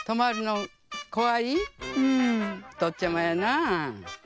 おとっちゃまやな。